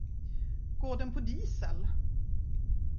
Går den på diesel?